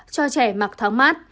cho trẻ mặc thỏa